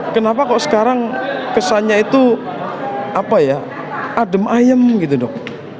kenapa kok sekarang kesannya itu apa ya adem ayem gitu dok